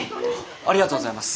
ありがとうございます。